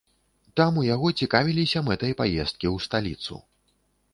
Там у яго цікавіліся мэтай паездкі ў сталіцу.